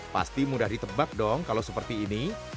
pasti mudah ditebak dong kalau seperti ini